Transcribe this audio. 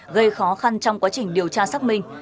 gây khó khăn trong quá trình điều tra xác minh